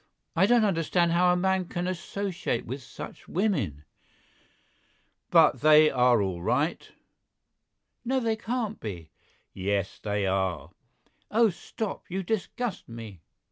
I don't understand how a man can associate with such women." "But they are all right." "No, they can't be!" "Yes, they are!" "Oh, stop; you disgust me!"